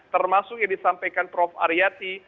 termasuk yang disampaikan prof aryati